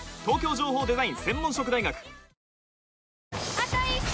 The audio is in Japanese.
あと１周！